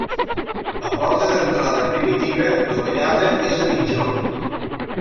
La porta d'entrada primitiva, dovellada, és a migjorn.